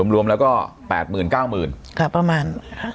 รวมแล้วก็๘๐๐๐๐๙๐๐๐๐บาทค่ะประมาณ